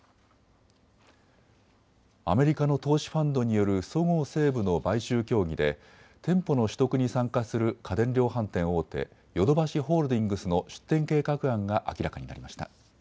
アメリカの投資ファンドによるそごう・西武の買収協議で店舗の取得に参加する家電量販店大手、ヨドバシホールディングスの出店計画案が明らかになりました。